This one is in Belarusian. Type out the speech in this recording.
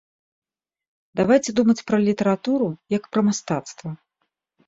Давайце думаць пра літаратуру як пра мастацтва.